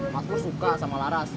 mas pur suka sama laras